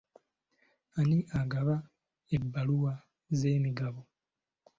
Ani agaba ebbaluwa z'emigabo?